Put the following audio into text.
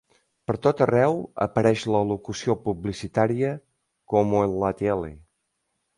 Per tot arreu apareix la locució publicitària "como en la tele".